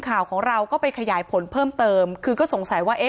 ข่าวของเราก็ไปขยายผลเพิ่มเติมคือก็สงสัยว่าเอ๊ะ